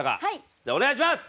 じゃあお願いします！